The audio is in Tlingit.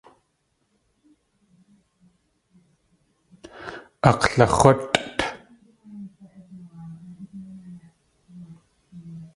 Aklax̲útʼt.